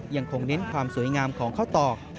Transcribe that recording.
ยังคงเน้นความสวยงามของข้าวตอก